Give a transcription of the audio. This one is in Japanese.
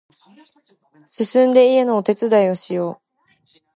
すすんで家のお手伝いをしよう